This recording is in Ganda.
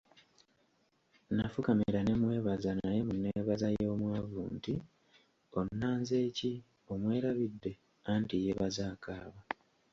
Nafukamira ne mmwebaza naye mu neebaza y'omwavu nti "onnanze ki?" omwerabidde, anti yeebaza akaaba.